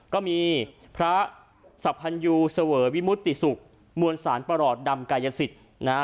ก็มีพระสัมพันยูเสวยวิมุติศุกร์มวลสารประหลอดดำกายสิทธิ์นะฮะ